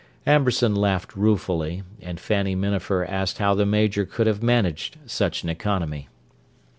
Amberson laughed ruefully, and Fanny Minafer asked how the Major could have managed such an economy.